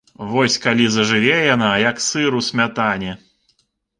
Вось калі зажыве яна, як сыр у смятане!